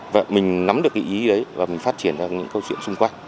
và mình nắm được cái ý đấy và mình phát triển ra những câu chuyện xung quanh